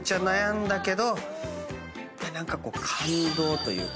何か感動というか。